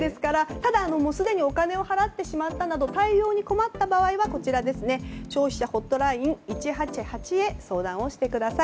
ただ、すでにお金を払ってしまったなど対応に困った場合は消費者ホットライン１８８へ相談をしてください。